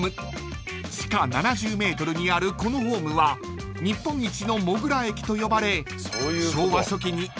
［地下７０ｍにあるこのホームは日本一のモグラ駅と呼ばれ］